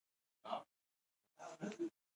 مګر ډیر به د هغه بل حیوان سره احتياط کوئ،